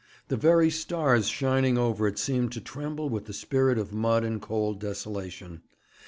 The very stars shining over it seemed to tremble with the spirit of mud and cold desolation.